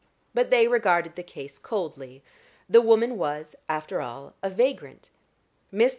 But they regarded the case coldly; the woman was, after all, a vagrant. Mr.